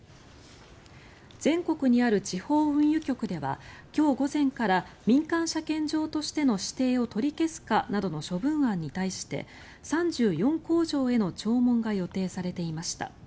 全国にある地方運輸局では今日午前から民間車検場としての指定を取り消すかなどの処分案に対して３４工場への聴聞が予定されていました。